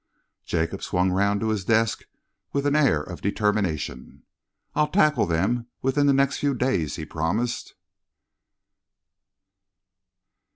Jacob swung round to his desk with an air of determination. "I'll tackle them within the next few days," he promised.